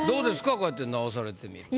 こうやって直されてみると。